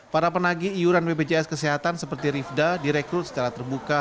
para penagi iuran bpjs kesehatan seperti rifda direkrut secara terbuka